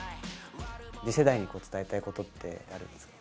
次世代に伝えたいことってあるんですか？